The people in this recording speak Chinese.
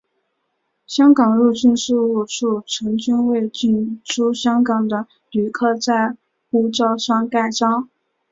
香港入境事务处曾经为进出香港的旅客在护照上盖章。